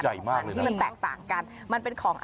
ที่มันแตกต่างกัน